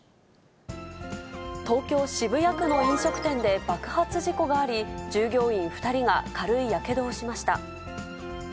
東京・渋谷区の飲食店で爆発事故があり、従業員２人が軽いやけどをしました。